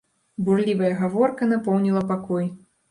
Бурлівая гаворка напоўніла пакой.